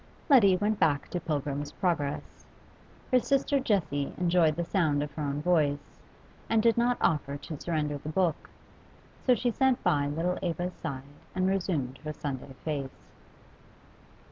Letty went back to 'Pilgrim's Progress.' Her sister Jessie enjoyed the sound of her own voice, and did not offer to surrender the book, so she sat by little Eva's side and resumed her Sunday face.